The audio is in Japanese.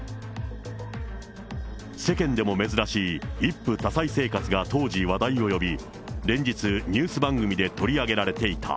世間でも珍しい一夫多妻生活が当時話題を呼び、連日、ニュース番組で取り上げられていた。